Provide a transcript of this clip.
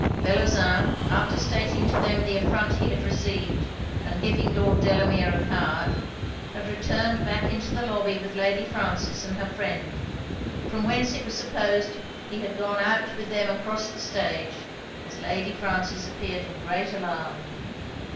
Bellozane, after stating to them the affront he had received, and giving Lord Delamere a card, had returned back into the lobby with Lady Frances and her friend; from whence it was supposed he had gone out with them across the stage, as Lady Frances appeared in great alarm.